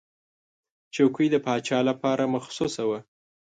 چوکۍ د پاچا لپاره مخصوصه وه.